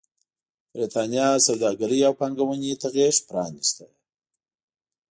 برېټانیا سوداګرۍ او پانګونې ته غېږ پرانېسته.